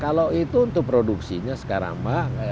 kalau itu untuk produksinya sekarang